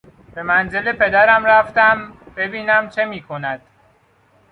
به منزل پدرم رفتم ببینم چه میکند.